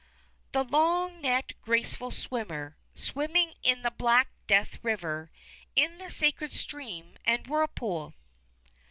the long necked, graceful swimmer, Swimming in the black death river, In the sacred stream and whirlpool.'